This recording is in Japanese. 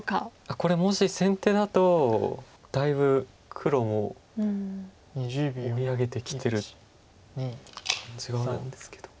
これもし先手だとだいぶ黒も追い上げてきてる感じがあるんですけど。